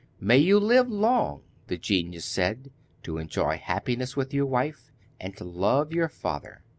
'May you live long,' the genius said, 'to enjoy happiness with your wife, and to love your father.